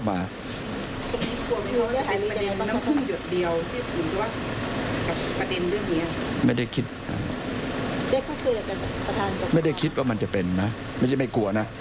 ไม่ได้คิดว่ามันจะเป็นนะไม่ใช่ไม่กลัวนะ